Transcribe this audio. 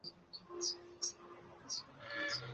背上都是严重的伤痕